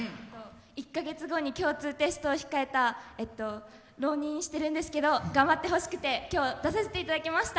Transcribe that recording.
１か月後に共通テストを控えた浪人してるんですけど頑張ってほしくて今日、出させていただきました。